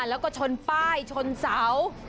แล้วก็ชนป้ายชนเสา